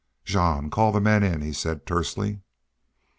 "Jean, call the men in," he said, tersely.